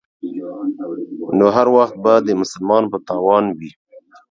نو هر وخت به د مسلمان په تاوان وي.